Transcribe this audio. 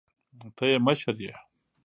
ته يې مشر يې.